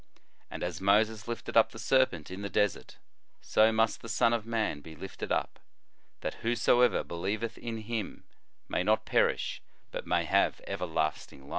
"And as Moses lifted up the serpent in the desert, so must the Son of man be lifted up; that who soever believeth in him may not perish, but may have life everlasting."